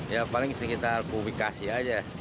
ya paling sekitar publikasi aja